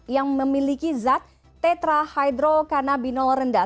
yang memiliki zat tetrahydrokanabinol rendah